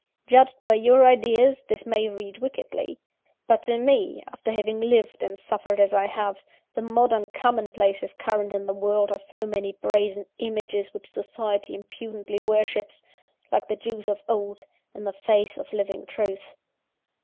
Judged by your ideas, this may read wickedly; but to me, after having lived and suffered as I have, the modern common places current in the world are so many brazen images which society impudently worships like the Jews of old in the face of living Truth.